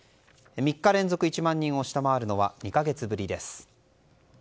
３日連続１万人を下回るのは２か月ぶりです。